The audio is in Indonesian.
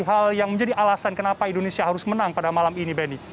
hal yang menjadi alasan kenapa indonesia harus menang pada malam ini benny